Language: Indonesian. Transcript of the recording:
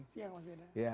siang mas yuda